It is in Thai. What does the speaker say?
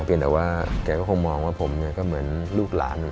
แต่ว่าแกก็คงมองว่าผมก็เหมือนลูกหลาน